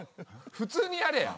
普通にやれや。